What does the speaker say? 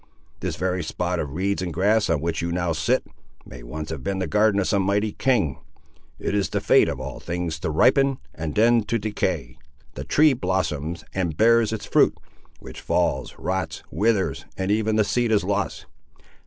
This very spot of reeds and grass, on which you now sit, may once have been the garden of some mighty king. It is the fate of all things to ripen, and then to decay. The tree blossoms, and bears its fruit, which falls, rots, withers, and even the seed is lost!